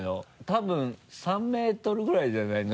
多分３ｍぐらいじゃないの？